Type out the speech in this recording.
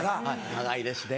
長いですね。